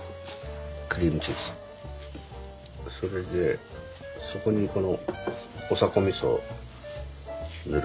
それでそこにこのオサコミソを塗る。